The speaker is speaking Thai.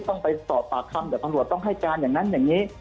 ต้องไปสอบปากคำกับตำรวจต้องให้การอย่างนั้นอย่างนี้